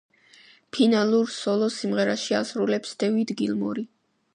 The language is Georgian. ფინალურ სოლოს სიმღერაში ასრულებს დევიდ გილმორი.